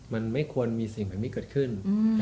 มันไม่ควรมีสิ่งแบบนี้เกิดขึ้น